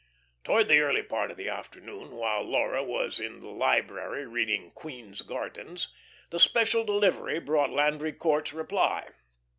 Towards the early part of the afternoon, while Laura was in the library reading "Queen's Gardens," the special delivery brought Landry Court's reply.